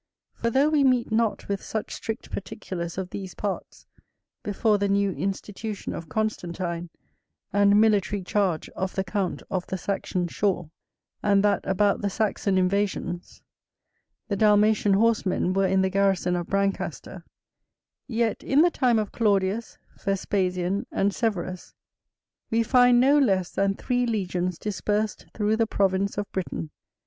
For though we meet not with such strict particulars of these parts before the new institution of Constantine and military charge of the count of the Saxon shore, and that about the Saxon invasions, the Dalmatian horsemen were in the garrison of Brancaster; yet in the time of Claudius, Vespasian, and Severus, we find no less than three legions dispersed through the province of Britain.